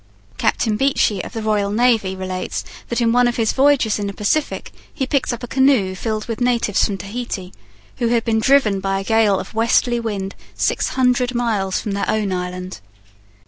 Captain Beechey of the Royal Navy relates that in one of his voyages in the Pacific he picked up a canoe filled with natives from Tahiti who had been driven by a gale of westerly wind six hundred miles from their own island.